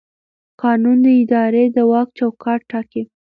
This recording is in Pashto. قانون د ادارې د واک چوکاټ ټاکي.